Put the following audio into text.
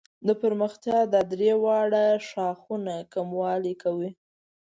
د پرمختیا دا درې واړه شاخصونه کموالي کوي.